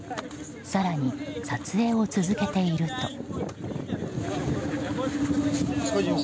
更に、撮影を続けていると。